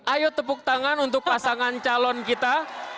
ayo tepuk tangan untuk pasangan calon kita